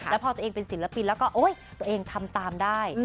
แล้วพอตัวเองเป็นศิลปินแล้วก็โอ๊ยตัวเองทำตามได้